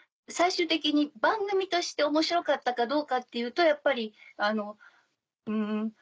最終的に番組として面白かったかどうかっていうとやっぱりうん。